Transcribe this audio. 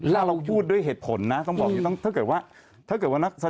แล้วเรากูพูดด้วยเหตุผลนะต้องไม่ต้องเท่าไหร่วะ